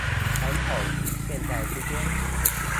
傳統與現代之間